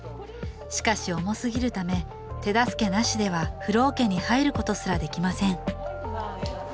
しかし重すぎるため手助けなしでは風呂おけに入ることすらできません